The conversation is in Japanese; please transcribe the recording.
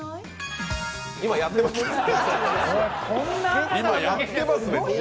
今やってます。